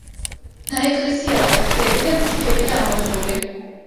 ნაეკლესიარზე ხეები და ბუჩქებია ამოსული.